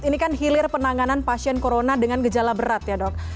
ini kan hilir penanganan pasien corona dengan gejala berat ya dok